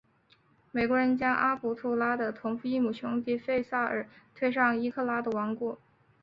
英国人将阿卜杜拉的同父异母兄弟费萨尔推上伊拉克的王座。